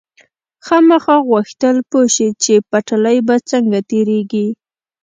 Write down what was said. خاما غوښتل پوه شي چې پټلۍ به څنګه تېرېږي.